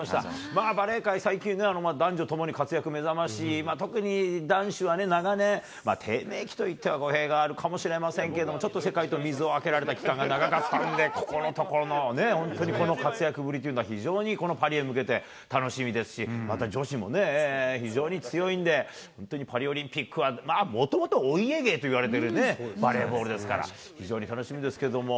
まあ、バレー界、最近ね、男女ともに活躍目覚ましい、特に男子はね、長年、低迷期といっては語弊があるかもしれませんけれども、ちょっと世界と溝をあけられた期間が長かったんで、ここのところのね、本当にこの活躍ぶりというのは、非常にパリへ向けて楽しみですし、また女子もね、非常に強いんで、本当にパリオリンピックは、まあ、もともとお家芸と言われてるね、バレーボールですから、非常に楽しみですけども。